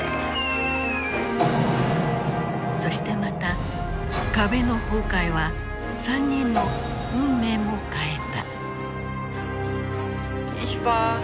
そしてまた壁の崩壊は３人の運命も変えた。